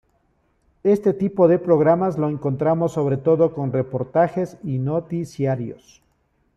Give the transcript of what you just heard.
Este tipo de programas lo encontramos sobre todo con reportajes y noticiarios.